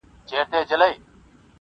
• بې خبره د سیلیو له څپېړو -